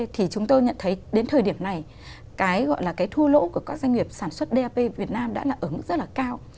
thì chúng tôi nhận thấy đến thời điểm này cái gọi là cái thu lỗ của các doanh nghiệp sản xuất dap việt nam đã là ở mức rất là cao